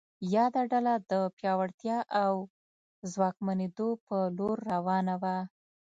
یاده ډله د پیاوړتیا او ځواکمنېدو په لور روانه وه.